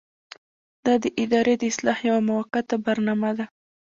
دا د ادارې د اصلاح یوه موقته برنامه ده.